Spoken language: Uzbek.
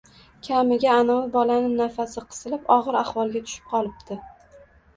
Kamiga anavi bolani nafasi qisilib ogʻir ahvolga tushib qolibdi